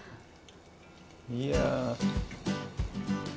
いや。